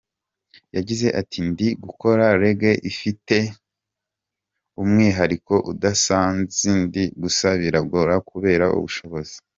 Yagize ati: "Ndi gukora Reggae ifite umwihariko udasa n'zindi gusa biragora kubera ubushobozi.